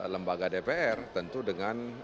lembaga dpr tentu dengan